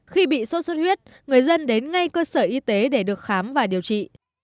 khi bị sốt xuất huyết người dân đến ngay cơ sở y tế để được khám và điều trị